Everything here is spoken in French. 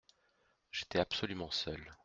J’étais absolument seul.